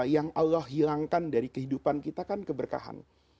yang allah hilangkan dari kehidupan kita kan keberkahan